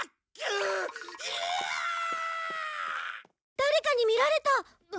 誰かに見られた！